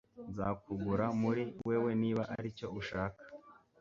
Nzakugura muri wewe niba aricyo ushaka